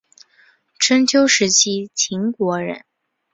春秋时期秦国人。